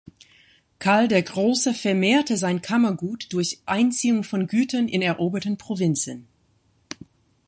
Karl der Große vermehrte sein Kammergut durch Einziehung von Gütern in eroberten Provinzen.